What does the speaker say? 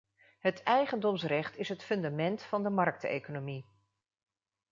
Het eigendomsrecht is het fundament van de markteconomie.